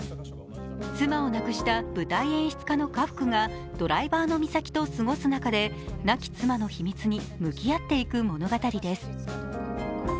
妻を亡くした舞台演出家の家福がドライバーのみさきと過ごす中で、亡き妻の秘密に向き合っていく物語です。